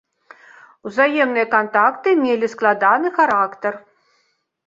Узаемныя кантакты мелі складаны характар.